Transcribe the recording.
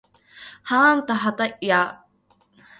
はあんたはやはた